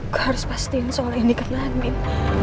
gue harus pastiin soalnya ini kejadian min